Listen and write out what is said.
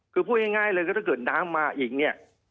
คือพูดง่ายเลยก็ถ้าเกิดน้ำมาอีกเนี่ย